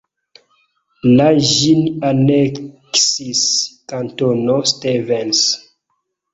La ĝin aneksis Kantono Stevens.